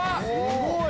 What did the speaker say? すごい！